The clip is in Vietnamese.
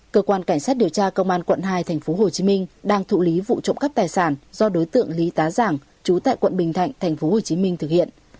cơ quan cảnh sát điều tra công an quận hai tp hcm đang thụ lý vụ trộm cắp tài sản do đối tượng lý tá giảng chú tại quận bình thạnh tp hcm thực hiện